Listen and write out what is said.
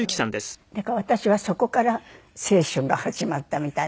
だから私はそこから青春が始まったみたいな感じで。